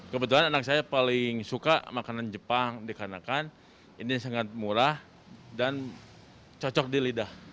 kebetulan anak saya paling suka makanan jepang dikarenakan ini sangat murah dan cocok di lidah